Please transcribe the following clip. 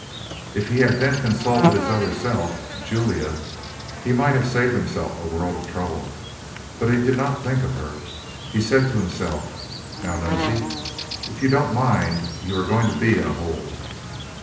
If he had then consulted his other self, Julia, he might have saved himself a world of trouble; but he did not think of her. He said to himself: "Now, Nosey, if you don't mind, you are going to be in a hole.